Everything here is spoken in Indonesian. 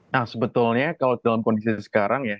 nah sebetulnya kalau dalam kondisi sekarang ya